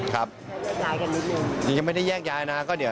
ครับยังไม่ได้แยกย้ายกันนิดหนึ่ง